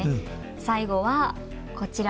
最後はこちら。